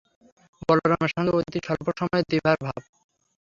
বলরামের সঙ্গে অতি অল্প সময়ে দিপার ভাব।